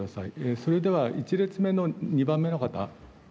それでは１列目の２番目の方。